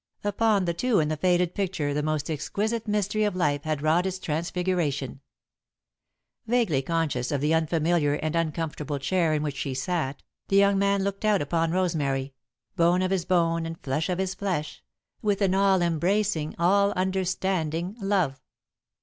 Upon the two in the faded picture the most exquisite mystery of life had wrought its transfiguration. Vaguely conscious of the unfamiliar and uncomfortable chair in which he sat, the young man looked out upon Rosemary, bone of his bone and flesh of his flesh, with an all embracing, all understanding love.